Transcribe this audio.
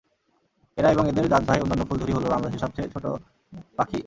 এরা এবং এদের জাতভাই অন্যান্য ফুলঝুরি হলো বাংলাদেশের সবচেয়ে ছোট পাখি।